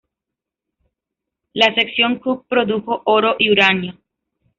La sección Cooke produjo oro y uranio.